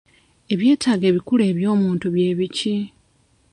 Ebyetaago ebikulu eby'omuntu bye biki?